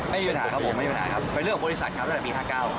เป็นเรื่องของบริษัทครับแต่ปี๙๙